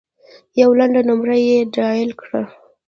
یوه لنډه نمره یې ډایل کړه .